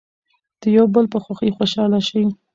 د یو بل په خوښۍ خوشحاله شئ.